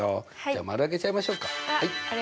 じゃあ丸あげちゃいましょうか。